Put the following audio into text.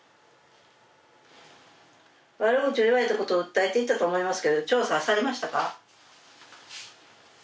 悪口を言われたこと、訴えていたと思いますけれども調査されました？